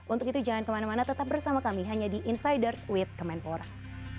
untuk itu jangan kemana mana tetap bersama kami hanya di insiders with kemenpora